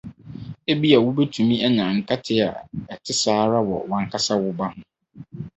Ebia wubetumi anya nkate a ɛte saa ara wɔ w’ankasa wo ba ho.